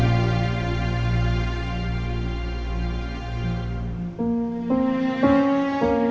ibu di mana